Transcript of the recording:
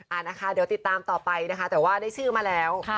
นะคะเดี๋ยวติดตามต่อไปนะคะแต่ว่าได้ชื่อมาแล้ว